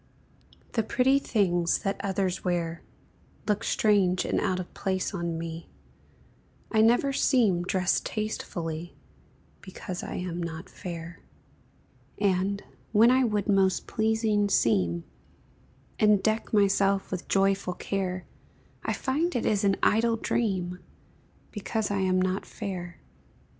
The pretty things that others wear Look strange and out of place on me, I never seem dressed tastefully, Because I am not fair; And, when I would most pleasing seem, And deck myself with joyful care, I find it is an idle dream, Because I am not fair.